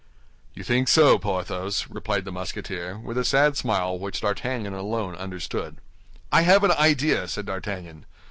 "You think so, Porthos?" replied the Musketeer, with a sad smile which D'Artagnan alone understood. "I have an idea," said D'Artagnan.